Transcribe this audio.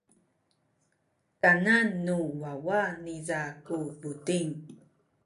kanan nu wawa niza ku buting.